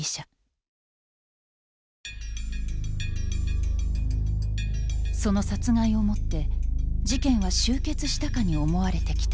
その殺害をもって事件は終結したかに思われてきた。